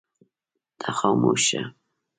ته خاموش شه.